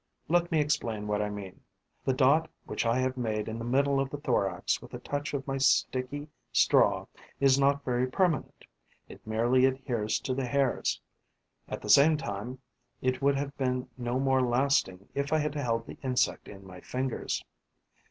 Let me explain what I mean. The dot which I have made in the middle of the thorax with a touch of my sticky straw is not very permanent: it merely adheres to the hairs. At the same time, it would have been no more lasting if I had held the insect in my fingers.